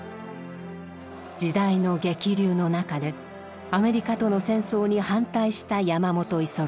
時代の激流の中でアメリカとの戦争に反対した山本五十六。